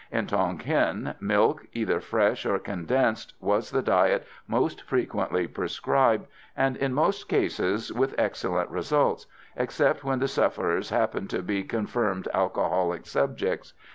In Tonquin, milk, either fresh or condensed, was the diet most frequently prescribed, and in most cases with excellent results, except when the sufferers happened to be confirmed alcoholic subjects.